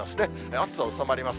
暑さ収まります。